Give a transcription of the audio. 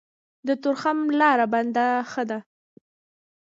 د تورخم لاره بنده ښه ده.